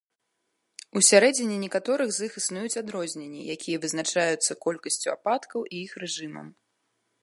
Усярэдзіне некаторых з іх існуюць адрозненні, якія вызначаюцца колькасцю ападкаў і іх рэжымам.